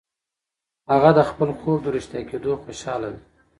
هغه د خپل خوب د رښتیا کېدو خوشاله ده.